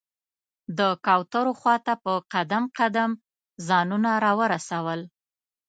د کوترو خواته په قدم قدم ځانونه راورسول.